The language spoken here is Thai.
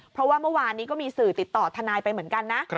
เพราะว่าเมื่อวานนี้ก็มีสื่อติดต่อทนายไปเหมือนกันนะ